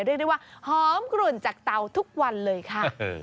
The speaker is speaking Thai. เรียกได้ว่าหอมกลุ่นจากเตาทุกวันเลยค่ะ